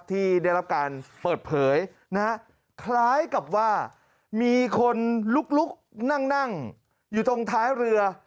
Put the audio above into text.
ที่ได้รับการเปิดเผยนะฮะคล้ายกับว่ามีคนลุกนั่งนั่งอยู่ตรงท้ายเรือ